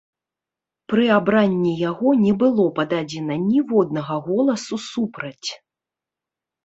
Пры абранні яго не было пададзена ніводнага голасу супраць.